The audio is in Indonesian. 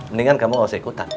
mendingan kamu gak usah ikutan